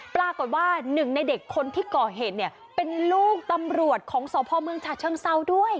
ปรากฏว่าหนึ่งในเด็กคนที่ก่อเหตุเนี่ยเป็นลูกตำรวจของสพเมืองฉะเชิงเซาด้วย